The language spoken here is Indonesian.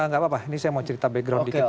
nggak apa apa ini saya mau cerita background dikit